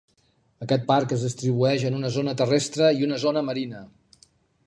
Aquest parc es distribueix en una zona terrestre i una zona marina.